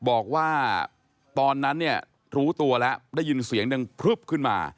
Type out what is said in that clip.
บอกว่าตอนนั้นเนี่ยรู้ตัวแล้วได้ยินเสียงดังพลึบขึ้นมา